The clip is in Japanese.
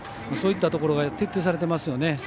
そういったところが徹底されていますよね。